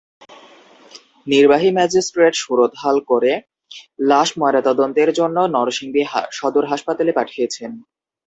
নির্বাহী ম্যাজিস্ট্রেট সুরতহাল করে লাশ ময়নাতদন্তের জন্য নরসিংদী সদর হাসপাতালে পাঠিয়েছেন।